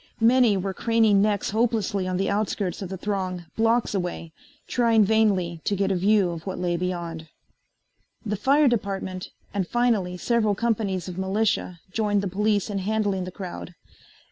Many were craning necks hopelessly on the outskirts of the throng, blocks away, trying vainly to get a view of what lay beyond. The fire department and finally several companies of militia joined the police in handling the crowd.